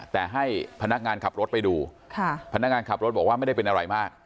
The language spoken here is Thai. แต่ให้พนักงานขับรถไปดูพนักงานขับรถบอกว่าไม่ได้เป็นอะไรมาก